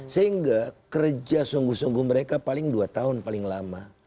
sehingga kerja sungguh sungguh mereka paling dua tahun paling lama